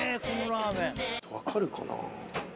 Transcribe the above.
わかるかな？